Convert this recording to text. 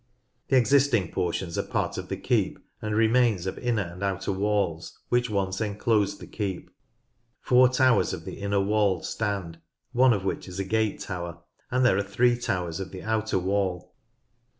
The existing portions are part of the keep and remains of inner and outer walls, which once enclosed the keep. Four towers of the inner walls stand, one of which is a gate tower, and there are three towers of the outer wall.